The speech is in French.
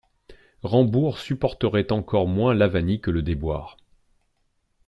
Rambourg supporterait encore moins l'avanie que le déboire.